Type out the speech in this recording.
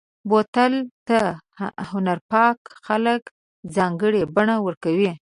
بوتل ته هنرپال خلک ځانګړې بڼه ورکوي.